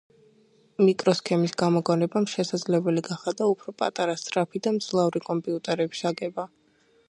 მიკროსქემის გამოგონებამ შესაძლებელი გახადა უფრო პატარა, სწრაფი და მძლავრი კომპიუტერების აგება